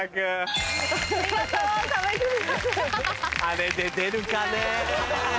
あれで出るかねぇ。